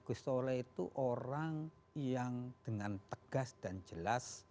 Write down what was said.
gusole itu orang yang dengan tegas dan jelas